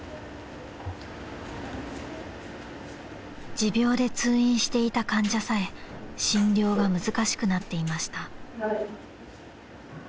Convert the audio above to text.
［持病で通院していた患者さえ診療が難しくなっていました］